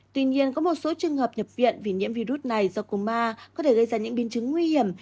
tuy nhiên có một số trường hợp nhập viện vì nhiễm virus này do cô ma có thể gây ra những biên chứng nguy hiểm